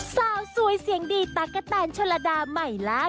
สาวสวยเสียงดีตั๊กกะแตนชลดาใหม่ล่ะ